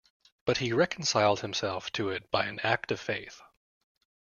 But he reconciled himself to it by an act of faith.